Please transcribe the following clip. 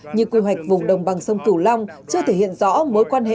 như quy hoạch vùng đồng bằng sông cửu long chưa thể hiện rõ mối quan hệ